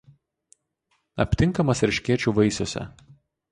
Aptinkamas erškėčių vaisiuose.